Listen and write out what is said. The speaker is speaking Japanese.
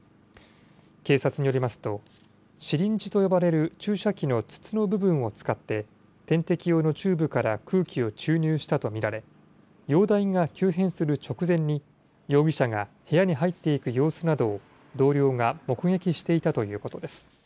警察によりますと、シリンジと呼ばれる注射器の筒の部分を使って、点滴用のチューブから空気を注入したと見られ、容体が急変する直前に、容疑者が部屋に入っていく様子などを、同僚が目撃していたということです。